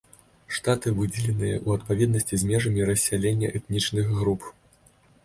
Штаты выдзеленыя ў адпаведнасці з межамі рассялення этнічных груп.